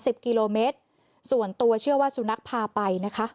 สิบกิโลเมตรส่วนตัวเชื่อว่าสุนัขพาไปนะคะ